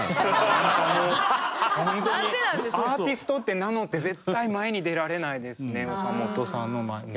アーティストって名乗って絶対前に出られないですね岡本さんの前にね。